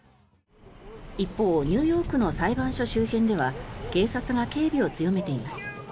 一方ニューヨークの裁判所周辺では警察が警備を強めています。